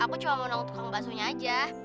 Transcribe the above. aku cuma mau nangkut tukang basuhnya aja